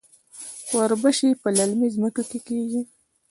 وربشې په للمي ځمکو کې کیږي.